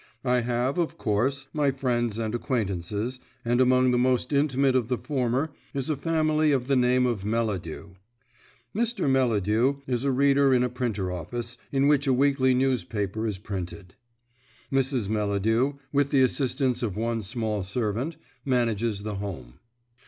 I have, of course, my friends and acquaintances, and among the most intimate of the former is a family of the name of Melladew. Mr. Melladew is a reader in a printing office in which a weekly newspaper is printed. Mrs. Melladew, with the assistance of one small servant, manages the home.